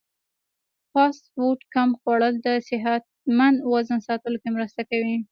فاسټ فوډ کم خوړل د صحتمند وزن ساتلو کې مرسته کوي.